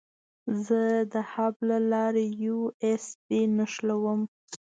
زه د هب له لارې یو ایس بي نښلوم.